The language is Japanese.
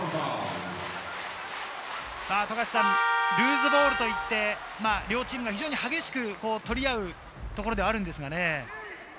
富樫さん、ルーズボールといって、両チームが非常に激しく取り合うところではあるんですけど。